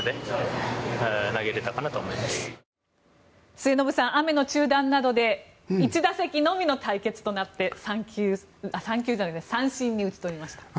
末延さん、雨の中断などで１打席のみの対決となって三振に打ち取りました。